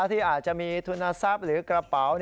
ที่อาจจะมีทุนทรัพย์หรือกระเป๋า